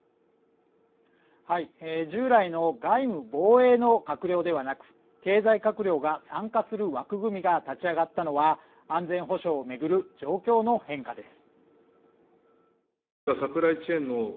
従来の外務・防衛の閣僚ではなく経済閣僚が参加する枠組みが立ち上がったのは安全保障を巡る状況の変化です